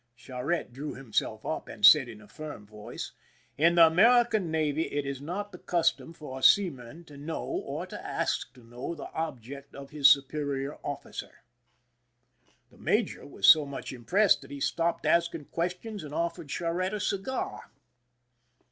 Charette drew himself up, and said in a firm voice :" In the American navy it is not the custom for a seaman to know, or to ask to know, the object of his superior officer." The major was so much impressed that he stopped asking questions and offered Charette a cigar.